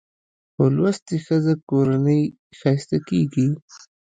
په لوستې ښځه کورنۍ ښايسته کېږي